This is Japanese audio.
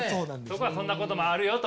そこはそんなこともあるよと。